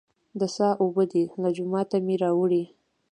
د څاه اوبه دي، له جوماته مې راوړې.